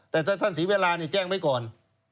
แต่ท่านศรีเวลาแจ้งไปก่อน